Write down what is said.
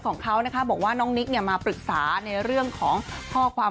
ของเขานะคะบอกว่าน้องนิกเนี่ยมาปรึกษาในเรื่องของข้อความ